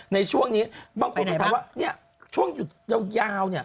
ในช่วงนี้บางคนจะถามว่าช่วงอยู่ยาว